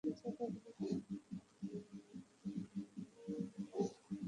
বিশেষত ডাচ খেলোয়াড়েরা যেভাবে আর্জেন্টাইন অধিনায়ক লিওনেল মেসিকে আটকে রেখেছিলেন, সেই জায়গাগুলো।